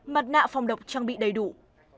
mặt nạ phòng độc trang bị đầy đủ